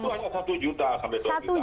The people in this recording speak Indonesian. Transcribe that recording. itu hanya satu juta sampai dua juta